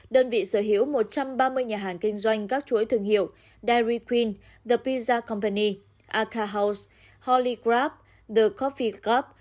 đơn vị sở hữu một trăm ba mươi nhà hàng kinh doanh các chuỗi thương hiệu dairy queen the pizza company aca house holy crab the coffee club